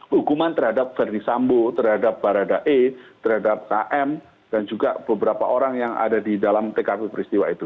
hukuman terhadap verdi sambo terhadap barada e terhadap km dan juga beberapa orang yang ada di dalam tkp peristiwa itu